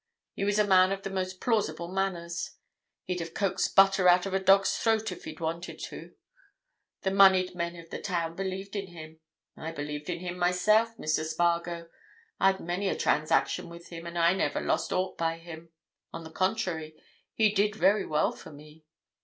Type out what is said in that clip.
He was a man of the most plausible manners: he'd have coaxed butter out of a dog's throat if he'd wanted to. The moneyed men of the town believed in him—I believed in him myself, Mr. Spargo—I'd many a transaction with him, and I never lost aught by him—on the contrary, he did very well for me.